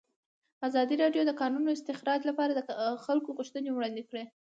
ازادي راډیو د د کانونو استخراج لپاره د خلکو غوښتنې وړاندې کړي.